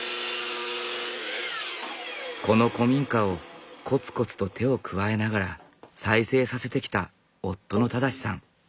この古民家をこつこつと手を加えながら再生させてきた夫の正さん。